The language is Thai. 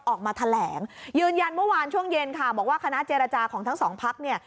ออกมาแถลงยืนยันเมื่อวานช่วงเย็นค่ะบอกว่าคณะเจรจาของทั้งสองพักเนี่ย